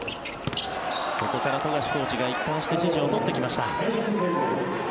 そこから富樫コーチが一貫して指示を取ってきました。